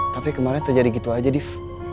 tapi kemarin terjadi gitu aja diev